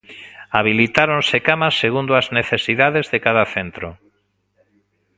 Habilitáronse camas segundo as necesidades de cada centro.